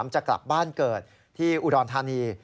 จะกลับบ้านเกิดที่อุดรธานี